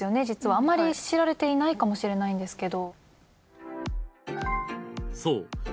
あんまり知られていないかもしれないんですけど。